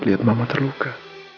lihat mama terluka